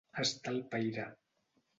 Estar al paire.